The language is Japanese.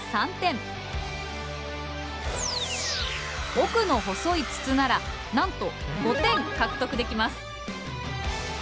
奥の細い筒ならなんと５点獲得できます。